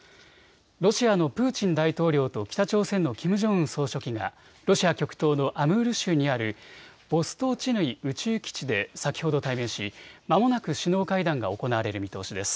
ロシアのプーチン大統領と北朝鮮のキム・ジョンウン総書記がロシア極東のアムール州にあるボストーチヌイ宇宙基地で先ほど対面し、まもなく首脳会談が行われる見通しです。